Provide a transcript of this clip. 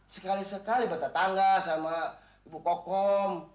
sekali sekali bertetangga sama ibu kokom